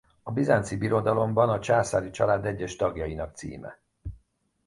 A Bizánci Birodalomban a császári család egyes tagjainak címe.